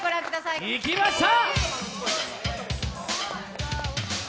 いきました！